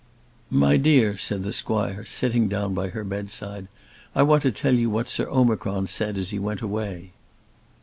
"My dear," said the squire, sitting down by her bedside, "I want to tell you what Sir Omicron said as he went away."